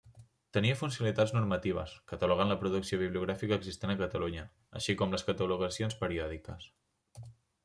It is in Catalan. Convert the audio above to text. Tenia funcionalitats normatives, catalogant la producció bibliogràfica existent a Catalunya, així com les catalogacions periòdiques.